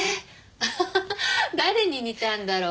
アハハハッ誰に似たんだろう？